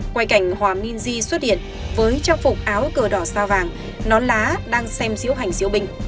quay cảnh hoa minh di xuất hiện với trang phục áo cờ đỏ xa vàng nón lá đang xem diễu hành diễu binh